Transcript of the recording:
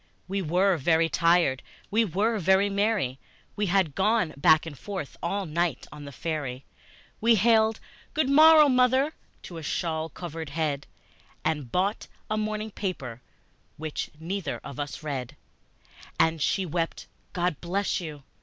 We were very tired, we were very merry, We had gone back and forth all night on the ferry, We hailed "Good morrow, mother!" to a shawl covered head, And bought a morning paper, which neither of us read; And she wept, "God bless you!"